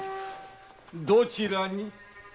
どちらに？